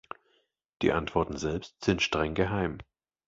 Die Antworten selbst sind streng geheim.